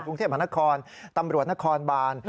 กรุงเทพมหานครตำรวจนครบาน